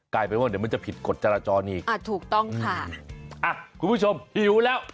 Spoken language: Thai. กลายเป็นว่าเดี๋ยวมันจะผิดกฎจราจรอีกอ่าถูกต้องค่ะอ่ะคุณผู้ชมหิวแล้ว